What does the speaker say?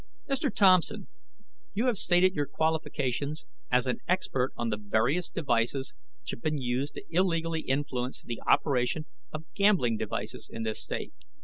"Mr. Thompson, you have stated your qualifications as an expert on the various devices which have been used to illegally influence the operation of gambling devices in this state."